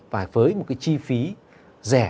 và với một chi phí rẻ